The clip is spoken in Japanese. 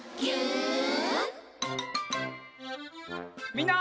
みんな。